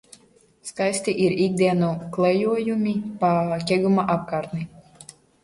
Skaisti ir ikdienu klejojumi pa Ķeguma apkārtni.